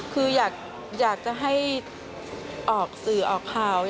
คืออยากจะให้ออกสื่อออกข่าว